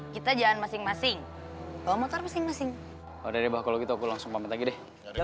kita jangan masing masing kalau motor mesin masing udah deh kalau gitu aku langsung pamit lagi deh